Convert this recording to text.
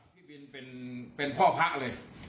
พี่บินเป็นพ่อพระเลย